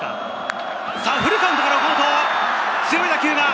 フルカウントから強い打球！